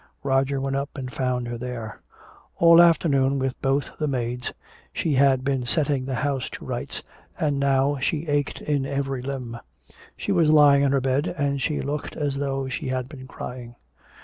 Roger went up and found her there. All afternoon with both the maids she had been setting the house to rights, and now she ached in every limb. She was lying on her bed, and she looked as though she had been crying.